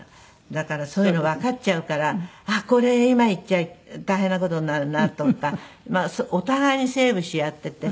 だからそういうのわかっちゃうからあっこれ今言っちゃ大変な事になるなとかお互いにセーブし合っていて。